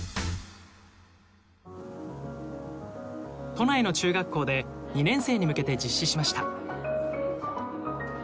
都内の中学校で２年生に向けて実施しました。